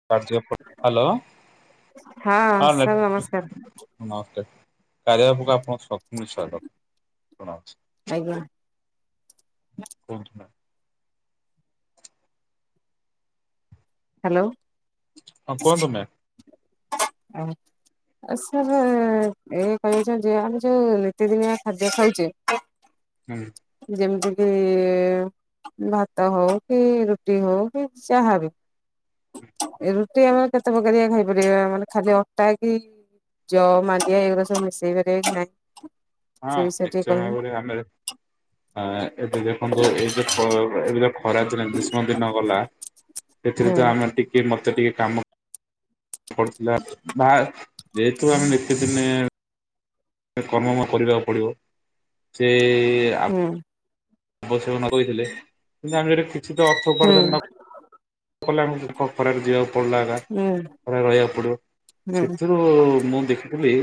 [unintelligible] Hello sir ହଁ ନମସ୍କାର ନମସ୍କାର କାରୟା ଆପକୁ [unintelligible] ଆଜ୍ଞା। [unintelligible] ହ୍ୟାଲୋ। ହଁ କୁହନ୍ତୁ ମ୍ୟାମ୍ ଆ ସାର୍ ଏଇ କହୁ [unintelligible] ଯେ ଆମେ ଯୋଉ ନିତିଦିନିଆ ଖାଦ୍ୟ ଖାଉଚେ ହୁଁ। ଯେମିତି କିି ଭାତ ହଉ କି ରୁଟି ହଉ କି ଚାହା ବି ହ ରୁଟି ଆମର କେତେ ପ୍ରକାରଆ ଖାଇପାରିବା ମାନେ ଖାଲି ଅଟା କି ଜଅ, ମାଣ୍ଡିଆ ଏଗୁରା ସବୁ [unintelligible] ହଁ ସେ ବିଷୟରେ ଟିକେ ନିଶ୍ଚୟ କହିବେ ଭାବରେ ଆମେ [inaudible] ଆ ଏବେ ଦେଖନ୍ତୁ ଏଇ ଯୋଉ ଏବେ ଯୋଉ ଖରା [unintelligible] ଗ୍ରୀଷ୍ମ ଦିନ ଗଲା ସେଥିରେ ତ ହୁଁ ଆମେ ଟିକେ ମତେ ଟିକେ କାମ। ଫୋ ଥିଲା ବା ଯେହେତୁ ଆମେ ନିତି ଦିନେ। ସେ କର୍ମ ମୟ କରିବାକୁ ପଡିବ ସେ ଆ। ହୁଁ। ବସ ଜନ କହିଥିଲେ କିନ୍ତୁ ଆମେ ଯଦି କିଛି ତ ଅର୍ଥ ହୁଁ ଉପାର୍ଜନ ନ। କଲେ ଆମକୁ ଖରାରେ ଯିବାକୁ ପଡିଲା ଏକା ହୁଁ ଖାରାରେ ରହିବାକୁ ପଡିବ ହୁଁ ସେଥିରୁ। ମୁଁ ଦେଖିଥିଲି।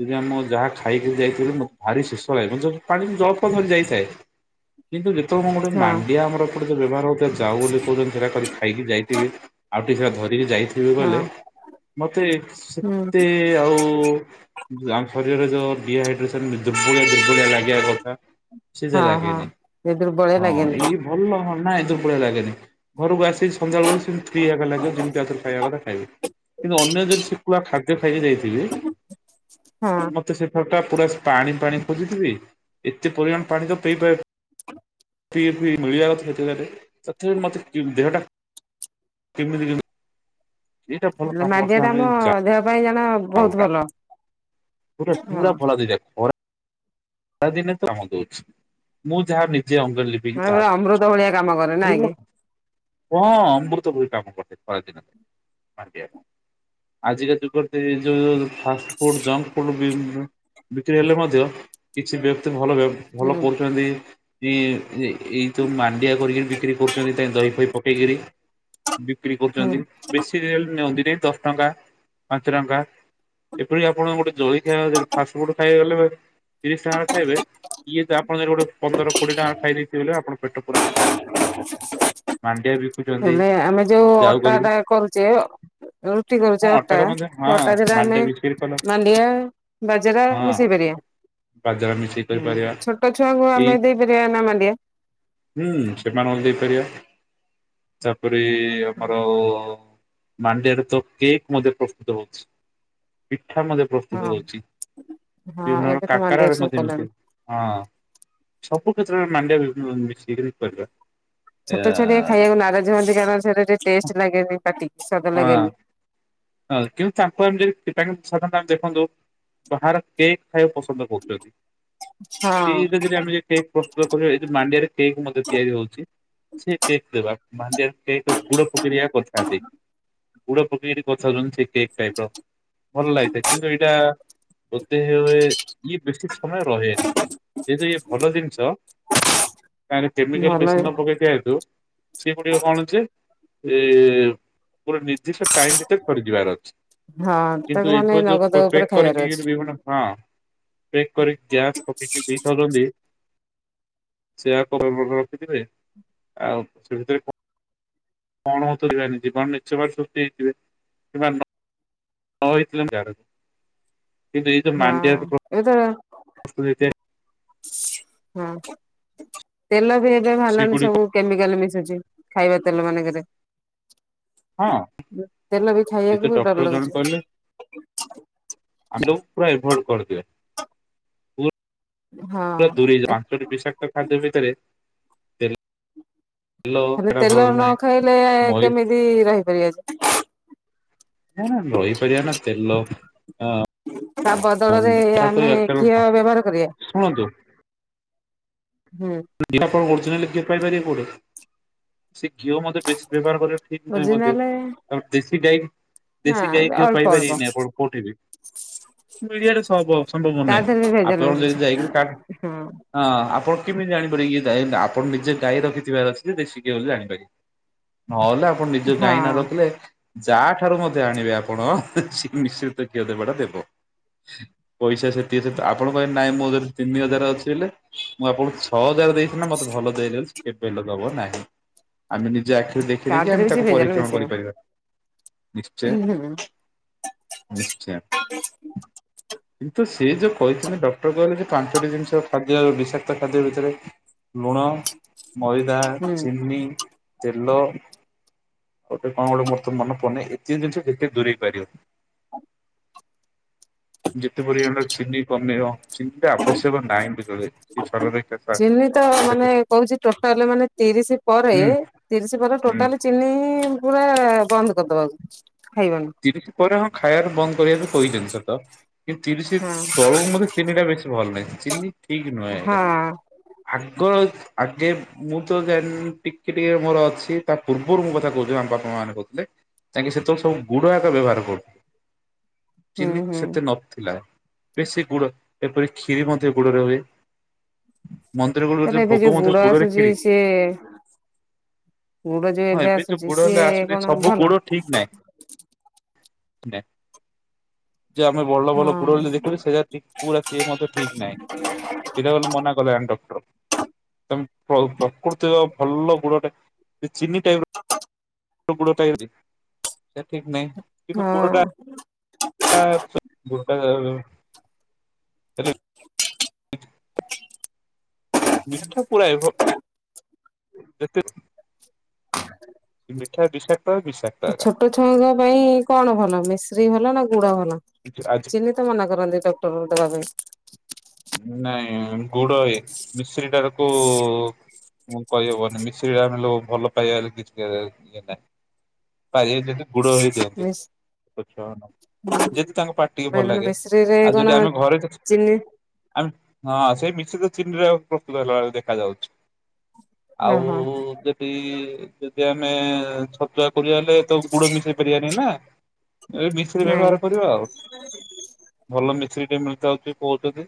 ଯଦି ଆମ ଯାହା ଖାଇକି ଯାଇଥିଲି ମତେ ଭାରି ଶୋଷ ଲାଗେ ପାଣି ଜଳଫର ଧରିକି ଯାଇଥାଏ। କିନ୍ତୁ ଯେତେବେଳେ ଗୋଟେ ହଁ ମାଣ୍ଡିଆ ଆମର ଏପଟେ ଯୋ ବ୍ୟବହାର ହଉଥିବା ଯାଉ ବୋଲି କହୁଛନ୍ତି। ସେଟା କରି ଖାଇକି ଯାଇଥିବି ଆଉ ଟିକେ ସେ ଧରିକି ଯାଇଥିବି। ଯିବି ଗଲେ ହଁ ମତେ ହୁଁ ସେତେ ଆଉ। ଆମ ଶରୀରରେ ଯୋଉ ଡିହାଇଡ୍ରେସନ ଦୁର୍ବଳିଆ, ଦୁର୍ବଳିଆ ଲାଗିବା କଥା ସେଟା ହଁ ହଁ। ଲାଗେନି। ଏ ଦୁର୍ବଳିଆ ହଁ ଲାଗେନି ଏଇ ଭଲ ନାଇଁ ଏ ଦୁର୍ବଳିଆ ଲାଗେନି ଘରକୁ ଆସି। ସେ ସନ୍ଧ୍ୟାବେଳୁ ସେ ଫ୍ରି ହେବା ଲାଗିବ ଯେମିତି ଆଉଥରେ ଖାଇବା କଥା ଖାଇବେ କିନ୍ତୁ ଅନ୍ୟ ଯଦି ଶୁକୁଆ ଫା। ଅଧିକ ଖାଇକି ଯାଇଥିବି ହଁ ମ। ତ ସେପଟ ଟା ପୁରା ସ୍ପା ପାଣି, ପାଣି ପୁରିଥିବି ଏତେ ପରିମାଣ ପାଣି ତ ପେଇ ପା। ଫି, ଫି ମିଳିବା କେତେ ସେରେ ସେଥି ମତେ ଦେହଟା କେମିତି, କେମିତି। ସେଇଟା ଭଲ କାମ ମାଣ୍ଡିଆ କରୁଥିଲା ଟା ଆମ ଆମେ ଯା ଦେହ ପାଇଁ ଜଣ ବହୁତ ଯାଉଟା। ଭଲ ଗୋଟା ହଁ। ପୁରା ଭଲ ଦେଇଯାଏ ଖରା। ତା ଦିନେ ତ ଆମ ଦଉଛି ମୁଁ ଯାହା ନିଜେ ଅଙ୍ଗେ ଲିଭେ। ହଁ ଏଭଳିଆ ଅମୃତ ଭଳିଆ କାମ କରେ ନା କି। ହଁ ଅମୃତ ଭଳି କାମ କରେ ଖରା ଦିନ ଆଜ୍ଞା ଆଜିକା ଯୁଗରେ ତ ଏ ଯୋଉ। ଫାଷ୍ଟ ଫୁଡ, ଜଙ୍କ ଫୁଡ ବିକ୍ରି ହେଲେ ମଧ୍ୟ କିଛି ବ୍ୟକ୍ତି ଭଲ ବ୍ୟ। ଭଲ ହୁଁ କରୁଛନ୍ତି। ଏଇ, ଏଇ ତୁ ମାଣ୍ଡିଆ କରିକିରି ବିକ୍ରି କରୁଛନ୍ତି ଦହି, ଫହି ପକେଇକିରି। ବିକ୍ରି ହୁଁ। କରୁଛନ୍ତି। ବେଶୀ ରେଲେ ନିଅନ୍ତି ନି ଦଶ ଟଙ୍କା, ପାଞ୍ଚ ଟଙ୍କା ଏପରି ଆପଣ ଗୋଟେ। ଜଳଖିଆ ଦେହେ ରେ ଫାଷ୍ଟ ଫୁଡ ଖାଇବା ଗଲେ। ତିରିଶି ଟଙ୍କାରେ ଖାଇବେ ଇଏ ତା ଆପଣ ଯଦି ଗୋଟେ ପନ୍ଦର, କୋଡିଏ ଟଙ୍କାରେ ଖାଇ ଦେଇଥିବେଲେ ଆପଣଙ୍କ ପେଟ ପୁରା ଫୁଲୁ। [unintelligible] ମାଣ୍ଡିଆ ବି। ହେଲେ ଆମେ ଯୋଉ ଅଟା ଟା କରୁଛେ ଅ। ରୁଟି କରୁଛେ ହଁ ଅଟା ଅଟାରେ ମଧ୍ୟ ହଁ ସେ ଅଟା ଦେହେରେ ଆମେ ମାଣ୍ଡିଆ ବିକ୍ରି କଲ ମାଣ୍ଡିଆ, ବାଜେରା ହଁ ମିଶେଇ ପାରିବା। ବାଜରା ମିଶେଇ ହୁଁ କରିପାରିବା ଛୋଟ ଛୁଆଙ୍କୁ ଏଇ ଆମେ ଦେଇପାରିବା ନା ମାଣ୍ଡିଆ। ହୁଁ ସେମାନଙ୍କୁ ଦେଇପାରିବା ତାପରେ ଆମର। ମାଣ୍ଡିଆ ରେ ତ କେକେ ମଧ୍ୟ ପ୍ରସ୍ତୁତ ହଉଛି ପିଠା ମଧ୍ୟ। ହଁ ପ୍ରସ୍ତୁତ ହଉଛି ହଁ ଏବେ ବିଭିନ୍ନ ତ କା। ମାଣ୍ଡିଆ ସବୁ କଲେଣି। ହଁ ସବୁ କ୍ଷେତ୍ର ରେ ମାଣ୍ଡିଆ ମିଶେଇ କିରି କରିବା। ଆ, ଛୋଟ ଛୁଆ ଟିକେ ଖାଇବାକୁ ନାରାଜ ହୁଅନ୍ତି କାରଣ ସେଟା ଟିକେ ହଁ ଟେଷ୍ଟେ ଲାଗେନି ପାଟିକି ସ୍ୱାଦ ଲାଗେନି। ହଁ କିନ୍ତୁ ତାଙ୍କୁ ଆମେ ଯଦି ସାଧାରଣତଃ ଆମେ ଦେଖନ୍ତୁ ବାହାରେ କେକ୍ ଖାଇବାକୁ ପସନ୍ଦ। କହୁଛନ୍ତି ହଁ। ସେଇଗତିରେ ଆମେ ଯଦି। କେକ୍ ପ୍ରସ୍ତୁତ କରିବ ଏଇ ଯୋଉ ମାଣ୍ଡିଆରେ କେକ୍ ମଧ୍ୟ ତିଆରି ହଉଛି। ସେ କେକ୍ ଦେବା ମାଣ୍ଡିଆ ରେ କେକ୍ ଗୁଡ ପକେଇଦେରା କରିଥାନ୍ତି ଗୁଡ ପକେଇକିରି। କଥାହଉଛନ୍ତି ସେ କେକ୍ ଟାଇପିର ଭଲ ଲାଗେ କିନ୍ତୁ ଏଇଟା। ବୋଧେରେ ଇଏ ବେଶୀ ସମୟ ରହେନି ଯେହେତୁ ଇଏ ଭଲ ଜିନିଷ କାଣେ କେମିକାଲ ଭଲ ବେଶୀ ନପକେଇି ଥିବା ଯେହେତୁ ସେ ଗୁଡ଼ିକ କଣଯେ ଏଗୋଟେ ନିର୍ଦ୍ଦିଷ୍ଟ ଟାଇମ୍ ଭିତରେ ପଡ଼ିଯିବାର ଅଛି ହଁ ତାକୁ କିନ୍ତୁ ମାନେ ନଗଦ ଏବେ ଉପରେ ପେକ୍ ଖାଇବାର କରିକି ଅଛି ବିଭିନ୍ନ ହଁ ପେକ୍ କରି ଗ୍ୟାସ୍ ପକେଇକି ଦେଇପାରନ୍ତି ସେ [unintelligible] ରଖିଥିବେ ଆଉ ସେ ଭିତରେ କ କଣ [unintelligible] ଜୀବନ ନିଛବ ସକ୍ତି ହେଇଯିବେ କିମ୍ବା ନହେଥିଲେ ଆମେ ଗାଡ଼େ ହଁ ଏବେତ ଉଷୁକ୍ ରେତେ ହଁପା ତେଲବି ଏବେ ଭାଲାଣି ସେଗୁଡିକ ସବୁ କେମିକାଲ୍ ମିଶୁଛି ଖାଇବା ତେଲ ମାନଙ୍କରେ। ହଁ [inaudible] ତେଲବି ସେ ଖାଇବାକୁ ତ ବହୁତ୍ ଡକ୍ଟର ଡ଼ର ଜଣେ କହିଲେ ଲାଗୁଚି। ଆମେ ଦୋଉ ପୁରା ଏଭଡ଼ କରିଦିଅ ପୁଅ ଦୂରେଇଯା ହଁ। ପାଞ୍ଚଟି ବିର୍ଷା ଏଟା ଖାଦ୍ୟ ଭିତରେ ତେଲ ହେଲେ ଏଟା ଭଲ ତେଲ ନାହିଁ ନଖାଇଲେ ମଇ କେମିତି ରହିପାରିବାଯେ ନାଁ ନାଁ ରହି ପରିବାନାଁ ତେଲ ଆଁ [unintelligible] ତା ବଦଳରେ ଆମେ କାରଣ ଘିଅ ବ୍ୟବହାର କରିବା ଶୁଣନ୍ତୁ? ହୁଁ। ଘିଅ ଆପଣ ଓରିଜନାଲି ପାଇପାରିବେ କୋଉଠି? ସେ ଘିଅ ମତେ ବେଶୀ ବ୍ୟବହାର କରିବା ଠିକ୍ ନୁହେଁ ମଧ୍ୟ ଓରିଜିନାଲ କାରଣ ଦେଶୀ ଗାଈ ନା ଦେଶୀ ଗାଈ ଘିଅ ପାଇ ଅଳ୍ପ ଅଳ୍ପ ପାରିବେନି ଆପଣ କୋଉଠି ବି ମିଡ଼ିଆରେ ସବୁ ହବ ସମ୍ଭବ ତା ନାଇଁ ଦେହରେ ବି ଭେଜାଲ ଆପଣ ଯାଇ ମିଶୁଛି ଯାଇକିରି କାଆକୁ ହଁ ତା ହଁ ଆପଣ କେମିତି ଜାଣିପାରିବେକି ଇଏ ଗାଈ ଆପଣ ନିଜେ ଗାଈ ରଖିଥିବାର ଅଛିଜେ ଦେଶି ଘିଅ ବୋଲି ଜାଣିପାରି ନହେଲେ ଆପଣ ନିଜେ ଗାଈ ହଁ ନରଖିଲେ ଯାଆ ଠାରୁ ମଧ୍ୟ ଆଣିବେ ଆପଣ ହେଁ ସେ ମିଶ୍ରି ତ ଘିଅ ଦେବାଟା ଦେବ। ପଇସା ସେଠି ଚିନ୍ତା ଆପଣପାଙ୍କ ନାଇଁ ମୋଁ [unintelligible] ଯଦି ତିନି ହଜାର ଅଛି ହେଲେ ମୁଁ ଆପଣଙ୍କୁ ଛଅ ହଜାରେ ଦେଇ ଥିନା ମତେ ଭଲ ଦେଇ ଦଉଚି କେବେହେଲେ ଦବ ନାହିଁ। ଆମେ ନିଜେ ଆଖିରୁ ଦେଖି ତା ଦେଇକା ଦେହରେ ଆମେ ବି ସେ ତାକୁ ଭେଜାଲ ପରିକ୍ରମ ମିଶିବ କରିପାରିବା। ନିଶ୍ଚୟେ ହୁଁ ନିଶ୍ଚୟ। କିନ୍ତୁ ସିଏ ଯୋଉ କହିଥିଲେ ଡକ୍ଟର କହିଲେ ଯେ ପାଞ୍ଚଟି ଜିନିଷ ଖାଦ୍ୟ ବିଷାକ୍ତ ଖାଦ୍ୟ ଭିତରେ ଲୁଣ ମଇଦା ହୁଁ। ଚିନି ତେଲ ଗୋଟେ କଣ ଗୋଟେ ମୋରତ ମନେ ପଡ଼ୁନି ଏତିକି ଜିନିଷ ଯେତେ ଦୂରେଇପାରିବ। ଯେତେ ପରିମାଣରେ ଚିନି କମେଇବ ଚିନିଟା ଆବଶ୍ୟକ ନାହିଁବି କହିଲେ କିଛି ଚିନିତ ମାନେ କହୁଚି ଟୋଟାଲି ମାନେ ତିରିଶି ପରେ ହୁଁ ତିରିଶି ପରେ ହୁଁ ଟୋଟାଲି ଚିନି ପୁରା ବନ୍ଦ କରିଦବାକୁ ଖାଇବାନି। ତିରିଶି ପରେ ହଁ ଖାଇବାର ବନ୍ଦ କରିବାକୁ କହିଚନ୍ତି ସତ କିନ୍ତୁ ତିରିଶି ହଁ ତଳବୁ ମଧେ ଚିନିଟା ବେଶୀ ଭଲ ନାହିଁ ଚିନି ଠିକ୍ ନୁହେଁ ହଁ ଆଜ୍ଞା। ଆଗ ଆଗେ ମୁଁ ତ ଯାଣିନି ଟିକେ ଟିକେ ମୋର ଅଛି ତା ପୂର୍ବରୁ ମୁଁ କଥା କହୁଚି ଆମ ବାପା ମା ମାନେ କହୁଥିଲେ ତାଙ୍କେ ସେତେବଳେ ସବୁ ଗୁଡ଼ ଆକ ବ୍ୟବହାର କରୁ ହୁଁ ଚିନି ହୁଁ ସେତେ ନଥିଲା। ବେଶୀ ଗୁଡ଼ ଏପରି କ୍ଷୀରି ମଧ୍ୟ ଗୁଡ଼ରେ ହୁଏ। ମନ୍ଦିର ଗୁଡ଼ଗଜ ତାପରେ ଏବେ ଭୋଗ ଯୋଉ ମଧ୍ଯ ଗୁଡ ଗୁଡ଼ରେ ଆସୁଛି ଖିରି। ସିଏ ଗୁଡ ଯୋଉ ହଁ ଏବେ ଯୋଉ ଆସୁଛି ଗୁଡ଼ ସିଏ ହେଲେ ଆସୁଚି କଣ ସବୁ ଭଲ ଗୁଡ଼ ଠିକ୍ ନାହିଁ। ନେଁ ଯେ ଆମେ ଭଲ ହଁ ଭଲ ପୁଡ଼ ବୋଲି ଦେଖୁଛେ ସେୟା ଟି ପୁରା ସିଏ ମଧ୍ୟ ଠିକ୍ ନାହିଁ ଇଧା କଲୁ ମନା କଲେ ଆନ୍ ଡ଼କ୍ଟର ତମେ ପ୍ର ପ୍ରକୃତିର ଭଲ ଗୁଡ଼ଟା ଏ ଚିିନି ଟାଇପିର ଗୁଡ଼ଟା ଏମିତି ସେ ଠିକ ନାହିଁ କିନ୍ତୁ ହଁ। ଗୋଡ଼ଟା ଟା ଗୋଡ଼ଟା ଓ ଆଁଛ ମିଠା ପୁଳାଏ ଭ ଏତେ [unintelligible] ହଁ ମିଠା ବିଷାକ୍ତ ବିଷାକ୍ତ ଏଟା ତୋ ଛୁଆଁଙ୍କ ପାଇଁ କଣ ଭଲ ମିଶ୍ରୀ ଭଲ ନା ଗୁଡ଼ ଭଲ ଆଜି ଚିନି ତ ମନା କରନ୍ତି ଡ଼କ୍ଟରରୁ ଦବା ପାଇଁ ନାଇଁ ଗୁଡ଼ଏ ମିଶ୍ରିଟାକୁ ଉ ମୁଁ କହିହବନି ମିଶ୍ରୀରେ ଆମେ ଲୋ ଭଲ ପାଇବା ହେଲେ କିଛି କେରାଏ ଏନାଁ ପାରିବେ ଯଦି ଗୁଡ଼ ହିଁ ଦିଅନ୍ତି। ମିସ୍ ଛୋଟ ଛୁଆ ଯଦି ତାଙ୍କ ପାଟି କି ଭଲ ମାନେ ଲାଗେ ମିଶ୍ରିରେ ଆଉ କଣ ଯଦି ଆମେ ଘରେ କି ଚିନି ଆମ ହଁ ସେଇ ମିଶ୍ରି ଚିନି ରେ ପ୍ରସ୍ତୁତ ହେଲାବେଳେ ଦେଖା ଯାଉଛି। ଆଉ ଓହୋ ଯଦି ଯଦି ଆମେ ଛତୁଆ କରି ଆଣିଲେ। ତ ଗୁଡ଼ ମିଶାଇ ପାରିବାନି ନା ଏ ମିଶ୍ରୀ ନାଇଁ ବ୍ୟବହାର କରିବା ଆଉ। ଭଲ ମିଶ୍ରି ଟିକେ ମିଳିଯାଉଛି କହୁଛନ୍ତି।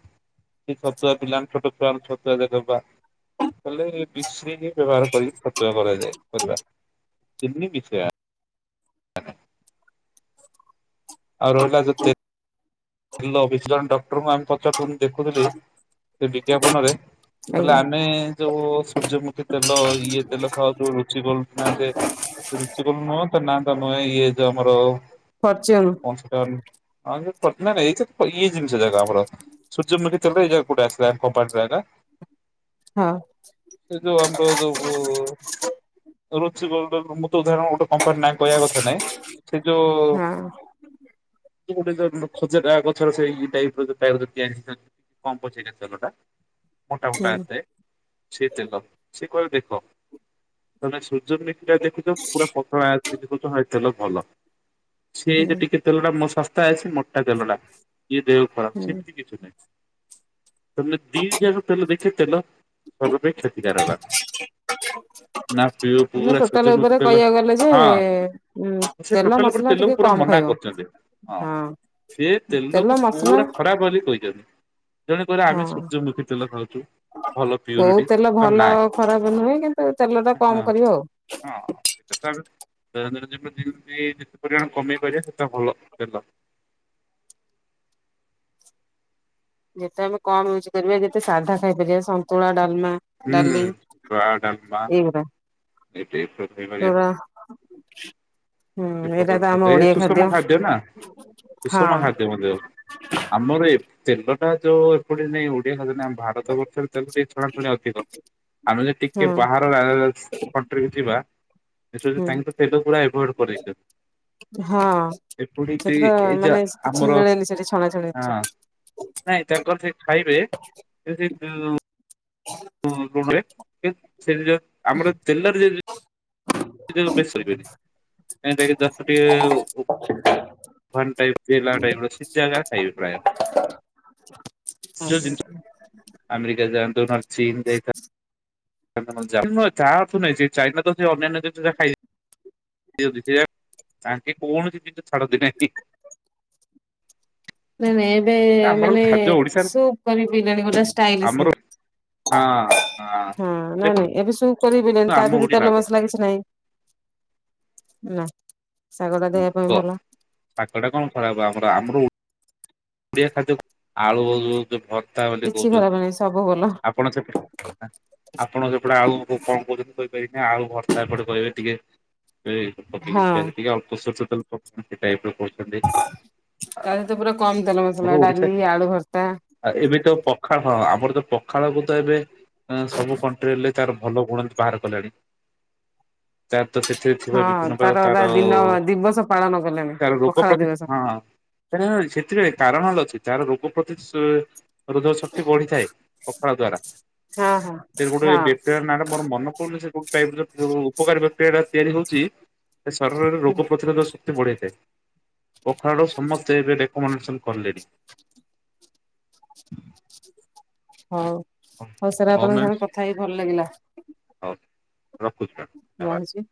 କି ଛତୁଆ ପିଲା ଛୋଟ ଛୁଆଙ୍କୁ ଛତୁଆ ରେ ଦେବା। ହେଲେ ମିଶ୍ରି ହି ବ୍ୟବହାର କରିକି ଛତୁଆ କରାଯାଏ। କରିବା ଚିନି ମିସେଇବା। ଆଉ ରହିଲା ଯେତେ ତେଲ ବିଶଣ ଡକ୍ଟରଙ୍କୁ ଆମେ ପଚାରୁୁ ଥୁନୁ ଦେଖୁଥିଲି। ସେ ବିଜ୍ଞା ପନ ରେ ହେଲେ ଆଜ୍ଞା ଆମେ ଯଉ ସୂର୍ଯ୍ୟମୁଖୀ ତେଲ ଇଏ ତେଲ ଖାଉ ଯଉ ରୁଚିଗୋଲ୍ଡ୍ କରୁ ନା ସେ ସେ ରୁଚି ଗୋଲ୍ଡ୍ ନୁହଁ ତ ନା ନୁହେଁଇ ଯଉ ଆମର। ଫରଚୁନୁ [unintelligible] ଏଇ ଇଏ ଜିନିଷ ଜାଗା ଆମର ସୂର୍ଯ୍ୟମୁଖୀ। ତେଲ ରେ ଏଯାଏ କୋଉଟା ଆଇଲା କ ପାଟ୍ରା ଟା? ହଁ। ସେ ଯଉ ଆମର ଯଉ ରୁଚିଗୋଲ୍ଡ ମୃତ ଧାରଣ ଗୋଟେ କମ୍ପାନୀ ନା କହିବା କଥା ନାଇଁ ସେ ଯଉ ହଁ ଗୋଟେ ଜଉ ଖୋଜାଟା ଗଛର ସେଇ ଟାଇପ୍ ତିଆରି କମ୍ ପଚେସ୍ ଆସିବା କଥା। ମୋଟା ହୁଁ ମୋଟା ଆସେ। ସିଏ ତେଲ ସେ କହେ ଦେଖ ମାନେ ସୂର୍ଯ୍ୟନ୍ତି ଇଟା ଦେଖଛ ପୁରା ପତଳା ଅଛି ଦେଖଛ ଏ ତେଲ ଭଲ ସେ ଏଇଟା ହୁଁ ଟିକେ ତେଲଟା ମୋ ଶସ୍ତା ଅଛି ମୋଟା ତେଲ ଟା ଇଏ ଦେହ ଖରାପ୍ ହୁଁ। ସେମିତି କି କିଛି ନାହିଁ ତମେ ଦି ଯା ତେଲ ଦେଖେ ତେଲ। ସବୁ ପାଇ କ୍ଷତିକାରାକ। [inaudible] ମୁ ପୁରା ଟୋଟାଲ୍ ସୂର୍ଯ୍ୟମୁଖୀ ଉପରେ ତେଲ କହିବାକୁ ଗଲେ ଯେ ହଁ ଉ ତେଲ ମସଲା ଟିକେ କମ୍ ଖାଇବ। ଜଡ଼େ ହଁ ସେ ତେଲ ତେଲକୁ ମସଲା ପୁରା ଖରାପ୍ ବୋଲି କହିଛନ୍ତି। ଜଣେ କହିଲେ ଆମେ ସୂର୍ଯ୍ୟମୁଖୀ ତେଲ ଖାଉଛୁ। ଭଲ କଉ ପ୍ୟୁରିଟି ତେଲ ଭଲ ନାଇଁ ଖରାପ୍ ନୁହେଁ କିନ୍ତୁ ତେଲ ଟା କମ୍ ହଁ କରିବ ଆଉ। ହଁ ସେଟା ତ ଆମେ ଦୈନ ଦିନ ଯେତେ ପରିମାଣ କମେଇ ପାରିବେ। ସେତ ଭଲ ତେଲ। ଯେତେ ଆମେ କମ୍ ୟୁଜ୍ କରିବା ଯେତେ ସାଧା ଖାଇପାରିବା ସନ୍ତୁଳା, ଡ଼ାଲମା ହୁଁ ଏଗୁରା [unintelligible] ହୁଁ ଏ ଏଇଟା ପ୍ରକାର ତ ଆମ ଖାଦ୍ୟ ଏ ଓଡିଆ ସୁଷମ ଖାଦ୍ୟ ନା ହଁ ସୁଷମା ଖାଦ୍ୟ ମଧ୍ୟ। ଆମର ଏ ତେଲଟା ଯଉ ଏପଡେ ନାଇଁ ଓଡ଼ିଆ ଖା ଆମ ବା ଗତ ବର୍ଷରେ ତାକୁ ଟିକେ ଛଣାଛୁଣି ଅଧିକ ଆମେ ହୁଁ ଟିକେ ବା [unintelligible] କଣ୍ଟ୍ରି କୁ ଯିବା ଦେଖିବ ହୁଁ ତାଙ୍କ ତ ତେଲ ପୁରା ଆଭଏଡ଼ କରେଇଦିଅନ୍ତି। ହଁ ସେଠି ତ ଯା ମାନେ ଆମର କିଛି ମିଳେନି ସେଠି ଛଣାଛଣି ଜିନିଷ। ନାଇ ତାଙ୍କର ସେଠି ଖାଇବେ ସେ କଉ ରୁମ୍ ରେ ସେ ସେଠି ଯଉ ଆମର ତେଲ ରେ ଜଦି [unintelligible] ଭନ୍ ଟାଇପ୍ ଥିଲା ଟାଇପ୍ ର ସେ ଜାଗା ଖାଇବେ ପ୍ରାୟ। ସେ ଯଉ ଜିନିଷ ନାଇଁ ଆମେରିକା ଯାଆନ୍ତୁ ନନେ ଚୀନ୍ ଯାଇଥାନ୍ତୁ ଯ ତାହା ଅର୍ଥ ନାଇ ଚାଇନା ତ ଅନ୍ୟାନ୍ୟ ଜିନିଷ ତ ଖାଇବେ ସେ ଯିବେ କା ତାଙ୍କେ କୌଣସି ଜିନଷ ଛଡ଼ନ୍ତି ନାହିଁ। ନାଇଁ ନାଇଁ ଏବେ ଆମର ମାନେ ଖାଦ୍ୟ ଓଡିଶାର ସୁପ୍ ଏ [unintelligible] ଗୋଟେ ଷ୍ଟାଇଲ୍ ଆସେ ଆମର ହଁ ହଁ ନାଇଁ ନାଇଁ ଦେଖନ୍ତୁ ଏବେ ସୁପ୍ [unintelligible] ତା ଆମ ଦେହରେ ଓଡିଆ ତାଲେ ଖରାପ ମସଲା କିଛି ନାହିଁ ନା। ଶାଗ ଟା ଦେବା କ ପାଇଁ ଭଲ। [unintelligible] କଣ ଖରାପ ଆମର ଆମର ଓଡିଆ ଖାଦ୍ୟ ଆଳୁ ଭର୍ତ୍ତା ବୋଲି କିଛି ଖରାପ କହୁଚନ୍ତି ନାହିଁ ସବୁ ଭଲ ଆ [unintelligible] ଆପଣ ସେପଟେ ଆଉ କଣ କହୁଚନ୍ତି କହିପାରିବିନି। ଆଳୁ ଭର୍ତ୍ତା ଏପଟେ କହିବେ ଟିକେ ଏଇ ପକେଇକି ହଁ ପିଆଜ ଟିକେ ଅଳ୍ପ ଶୋରଷ ତେଲ ପକେଇକି [unintelligible] ଟାଇପ ର କହୁଚନ୍ତି। ତା ଧିଅରେ ତ ପୁରା କମ ତେଲ ମସଲା ଡାଲି ଆଳୁ ଭର୍ତା ଆ ଏବେ ତ ପଖାଳ ହଁ ଆମର ତ ପଖାଳକୁ ତ ଏବେ ସବୁ କଣ୍ଟ୍ରିଲେ ତାର ଭଲ ଗୁଣ କିଛି ବାହାର କଲେଣି। ତାର ତ ସେଥିରେ ଥିବା ହଁ ବିଭିନ୍ନ ପ୍ରକାର ରା ତାର ଦିନ ଦିବସ ପାଳନ କଲେଣି ତାର ରୋଗ ପଖାଳ ପ୍ରତି ଦିବସ। ହଁ। କ ସେଥିରେ କାରଣ ହେଲା ଅଛି ତାର ରୋଗ ପ୍ରତି ରୋଦ ଶକ୍ତି ବଢିଥାଏ ପଖଳ ଦ୍ଵାରା। ହଁ ହଁ ସେ ଗୋଟେ ହଁ ବକ୍ଟେରିଆ ନାଁଟରେ ମୋର ମନ [unintelligible] କୋଉ ଟାଇପ ର ଉପକାରୀ ପ୍ରକ୍ରିୟା ଟା ତିଆରି ହଉଚି ଶରୀରେ ରୋଗ ପ୍ରତିରୋଧ ଶ ବଢେଇଥାଏ। ପଖାଳ ସମସ୍ତେ ଏବେ ରେକୋମେଣ୍ଡସନ କଲେଣି। ହଉ ହଉ ସାର ଆପଣଙ୍କ ସାଙ୍ଗରେ କଥା ହେଇକି ଭଲ ଲାଗିଲା। ହଉ ରଖୁଚି ମାମ ଧନ୍ୟବାଦ। ରହୁଛି।